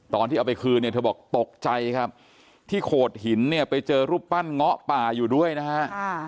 ตอนที่เอาไปคืนเนี่ยเธอบอกตกใจครับที่โขดหินเนี่ยไปเจอรูปปั้นเงาะป่าอยู่ด้วยนะฮะ